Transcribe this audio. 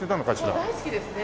もう大好きですね。